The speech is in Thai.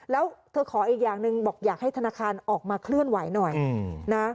แล้วเธอขออีกอย่างหนึ่งบอกอยากให้ธนาคารออกมาเคลื่อนไหวหน่อยนะ